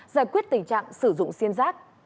giải quyết tình trạng sử dụng xiên rác